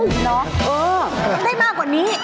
ได้มากกว่านี้